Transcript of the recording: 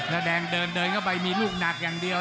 แล้วแดงเดินเดินเข้าไปมีลูกหนักอย่างเดียว